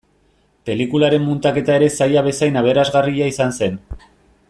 Pelikularen muntaketa ere zaila bezain aberasgarria izan zen.